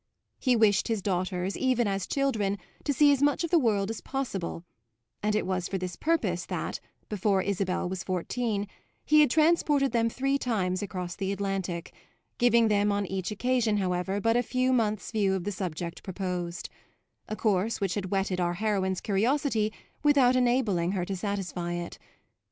He wished his daughters, even as children, to see as much of the world as possible; and it was for this purpose that, before Isabel was fourteen, he had transported them three times across the Atlantic, giving them on each occasion, however, but a few months' view of the subject proposed: a course which had whetted our heroine's curiosity without enabling her to satisfy it.